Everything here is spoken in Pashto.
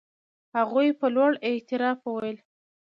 هغوی په لوړ اعتراف وویل.